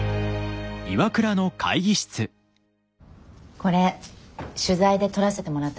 これ取材で撮らせてもらった写真。